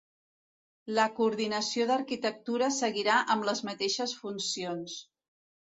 La coordinació d'Arquitectura seguirà amb les mateixes funcions